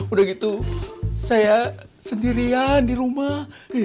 udah gitu saya sendirian dirumah